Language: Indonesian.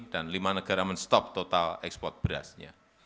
dan lima negara men stop total ekspor berasnya